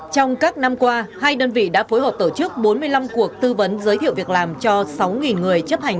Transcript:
trong các năm qua hai đơn vị đã phối hợp tổ chức bốn mươi năm cuộc tư vấn giới thiệu việc làm cho sáu người chấp hành